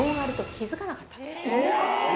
◆気づかなかった？